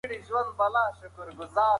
په کلي کې د اوبو د ویش سیستم ډیر عادلانه دی.